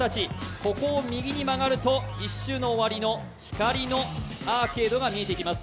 ここを右に曲がると１周の終わりの光のアーケードが見えてきます。